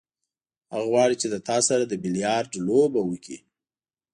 هغه غواړي چې له تا سره د بیلیارډ لوبه وکړي.